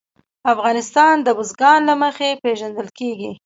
افغانستان د بزګان له مخې پېژندل کېږي.